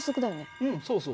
うんそうそう。